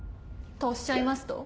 とおっしゃいますと？